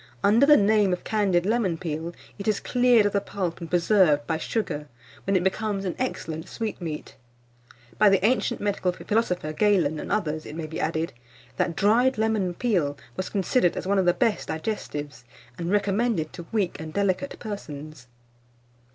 Under the name of CANDIED LEMON PEEL, it is cleared of the pulp and preserved by sugar, when it becomes an excellent sweetmeat. By the ancient medical philosopher Galen, and others, it may be added, that dried lemon peel was considered as one of the best digestives, and recommended to weak and delicate persons.